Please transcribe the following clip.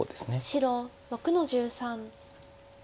白６の十三。